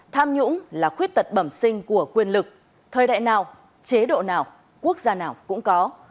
tham nhũng là khuyết tật bẩm sinh của quyền lực thời đại nào chế độ nào quốc gia nào cũng có